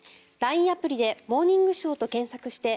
アプリで「モーニングショー」と検索して